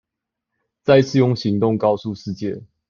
再一次用行動告訴世界